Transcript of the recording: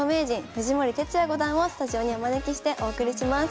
藤森哲也五段をスタジオにお招きしてお送りします。